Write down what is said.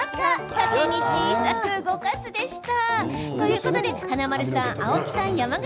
縦に小さく動かす、でした。